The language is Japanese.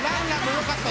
よかった！